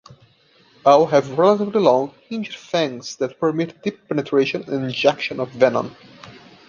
All have relatively long, hinged fangs that permit deep penetration and injection of venom.